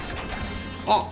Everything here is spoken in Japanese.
あっ！